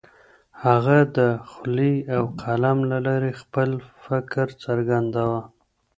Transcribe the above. هغه د خولې او قلم له لارې خپل فکر څرګنداوه.